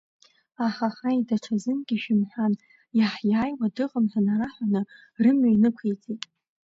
Аҳаҳаи, даҽазынгьы ишәымҳәан иаҳиааиуа дыҟам ҳәа нараҳәаны, рымҩа инықәиҵеит.